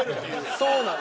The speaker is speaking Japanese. そうなの。